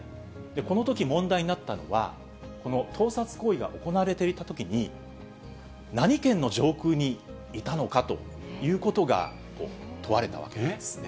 このとき、問題になったのは、この盗撮行為が行われていたときに、何県の上空にいたのかということが問われたわけなんですね。